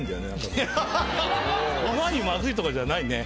うまいまずいとかじゃないね。